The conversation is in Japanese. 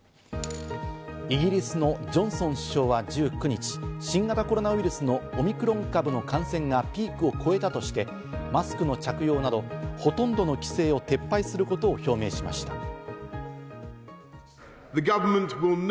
イギリスのジョンソン首相は１９日、新型コロナウイルスのオミクロン株の感染がピークを越えたとして、マスクの着用など、ほとんどの規制を撤廃することを表明しました。